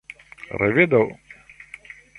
revido